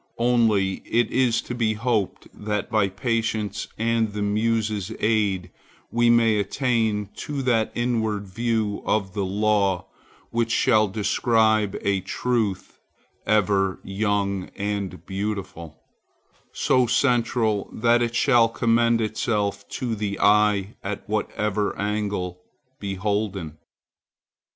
Only it is to be hoped that by patience and the Muses' aid we may attain to that inward view of the law which shall describe a truth ever young and beautiful, so central that it shall commend itself to the eye, at whatever angle beholden.